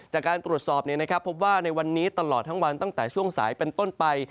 จากการตรวจสอบพบว่าในวันนี้ตลอดทั้งวันตั้งแต่ช่วงสายเป็นต้นไป